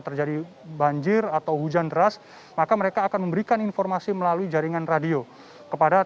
terjadi banjir atau hujan deras maka mereka akan memberikan informasi melalui jaringan radio kepada